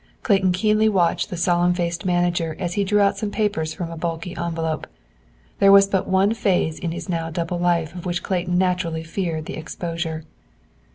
Clayton keenly watched the solemn faced manager as he drew out some papers from a bulky envelope. There was but one phase in his now double life of which Clayton naturally feared the exposure.